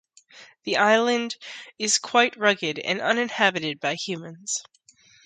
The island is quite rugged and uninhabited by humans.